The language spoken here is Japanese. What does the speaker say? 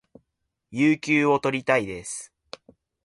有給を取りたいです